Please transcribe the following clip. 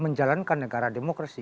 menjalankan negara demokrasi